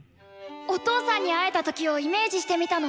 お父さんに会えた時をイメージしてみたの。